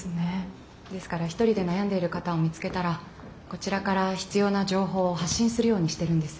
ですから一人で悩んでいる方を見つけたらこちらから必要な情報を発信するようにしてるんです。